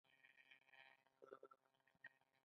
زیره څه خوند لري؟